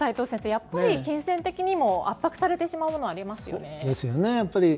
やっぱり金銭的にも圧迫されてしまうものありますよね。